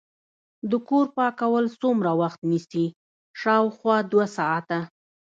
د کور پاکول څومره وخت نیسي؟ شاوخوا دوه ساعته